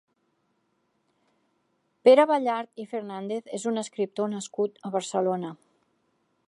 Pere Ballart i Fernández és un escriptor nascut a Barcelona.